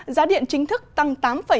giá điện chính thức tăng tám ba mươi sáu